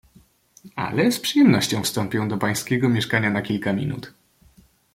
"Ale z przyjemnością wstąpię do pańskiego mieszkania na kilka minut."